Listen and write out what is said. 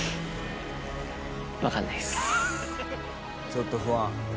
「ちょっと不安」